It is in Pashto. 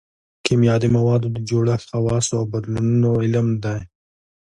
کیمیا د موادو د جوړښت خواصو او بدلونونو علم دی